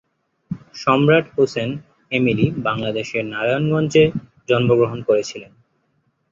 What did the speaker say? সম্রাট হোসেন এমিলি বাংলাদেশের নারায়ণগঞ্জে জন্মগ্রহণ করেছিলেন।